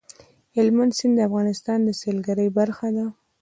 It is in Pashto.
هلمند سیند د افغانستان د سیلګرۍ برخه ده.